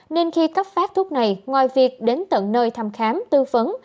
nên khi cấp phát thuốc này ngoài việc đến tận nơi thăm khám tư vấn